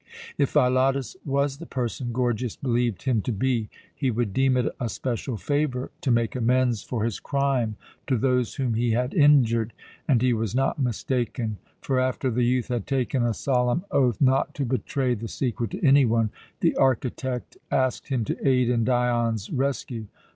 If Philotas was the person Gorgias believed him to be, he would deem it a special favour to make amends for his crime to those whom he had injured, and he was not mistaken; for, after the youth had taken a solemn oath not to betray the secret to any one, the architect asked him to aid in Dion's rescue.